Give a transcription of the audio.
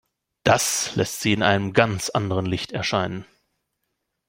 Das lässt sie in einem ganz anderem Licht erscheinen.